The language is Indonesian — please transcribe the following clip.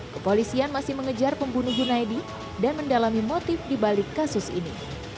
kepolisian masih mengejar pembunuh junaidi dan mendalami motif dibalik kasus ini